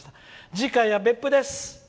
次回は別府です。